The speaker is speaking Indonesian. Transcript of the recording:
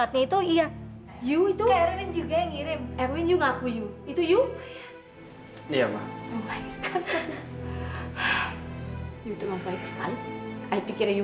kenapa kamu tinggalin anak kita